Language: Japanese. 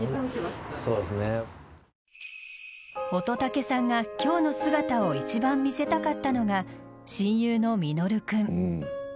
乙武さんが今日の姿を一番見せたかったのが親友のミノル君。